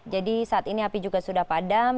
jadi saat ini api juga sudah padam